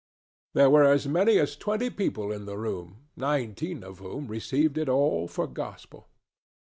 There were as many as twenty people in the room, nineteen of whom received it all for gospel.